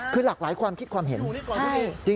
คือหลากหลายความคิดความเห็น